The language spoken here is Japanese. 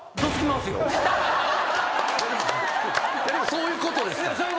そういうことですから。